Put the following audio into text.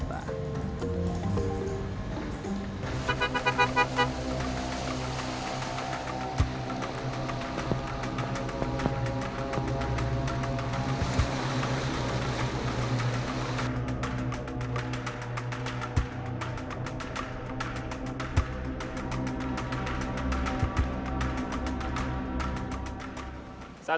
roni satria jakarta